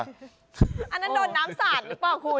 อันนั้นโดนน้ำสาดหรือเปล่าคุณ